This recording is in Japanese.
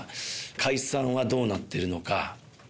解散はどうなってるのか。